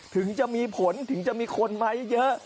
ถึงจะมีผลถึงจะมีคนมาเยอะ